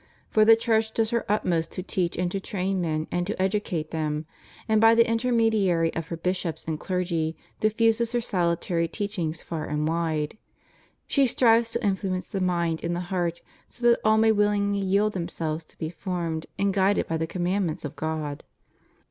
For the Church does her utmost to teach and to train men, and to educate them; and by the intermediary of her bishops and clergy diffuses her salutary teachings far and wide. She strives to influence the mind and the heart so that all may willingly yield them selves to be formed and guided by the commandments of God.